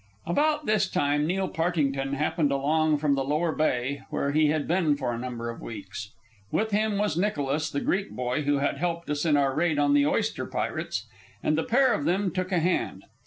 About this time Neil Partington happened along from the Lower Bay, where he had been for a number of weeks. With him was Nicholas, the Greek boy who had helped us in our raid on the oyster pirates, and the pair of them took a hand.